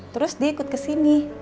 terus dia ikut ke sini